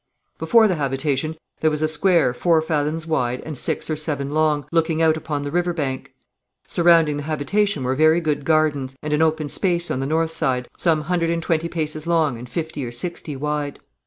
Before the habitation there was a square four fathoms wide and six or seven long, looking out upon the river bank. Surrounding the habitation were very good gardens, and an open space on the north side, some hundred and twenty paces long and fifty or sixty wide.